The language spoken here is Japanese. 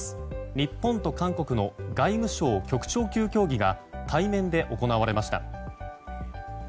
日本と韓国の外務省局長級協議が対面で行われました。